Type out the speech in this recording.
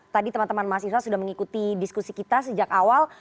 tadi teman teman mahasiswa sudah mengikuti diskusi kita sejak awal